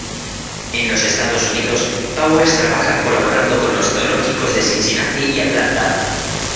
En los Estados Unidos, Powers trabaja colaborando con los zoológicos de Cincinnati y Atlanta.